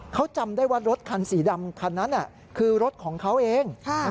เขาจำได้ว่ารถคันสีดำคันนั้นคือรถของเขาเอง